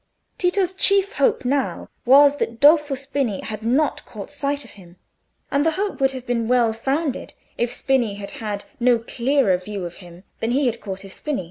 Tito's chief hope now was that Dolfo Spini had not caught sight of him, and the hope would have been well founded if Spini had had no clearer view of him than he had caught of Spini.